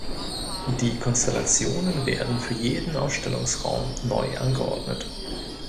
Die Konstellationen werden für jeden Ausstellungsraum neu angeordnet.